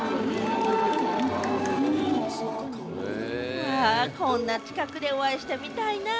うわー、こんな近くでお会いしてみたいな。